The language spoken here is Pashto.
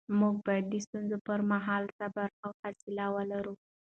موږ باید د ستونزو پر مهال صبر او حوصله ولرو